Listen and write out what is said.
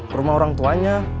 ke rumah orang tuanya